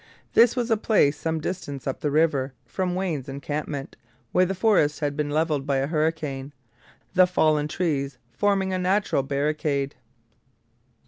This was a place some distance up the river from Wayne's encampment, where the forest had been levelled by a hurricane, the fallen trees forming a natural barricade.